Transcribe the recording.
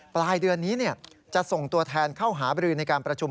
ปลายเดือนนี้จะส่งตัวแทนเข้าหาบรือในการประชุม